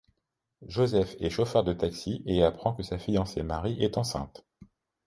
Joseph est chauffeur de taxi et apprend que sa fiancée Marie est enceinte.